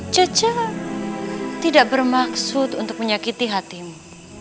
cece tidak bermaksud untuk menyakiti hatimu